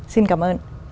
xin cảm ơn